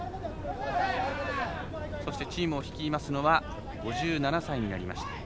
そして、チームを率いますのは５７歳になりました。